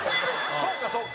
そうかそうか。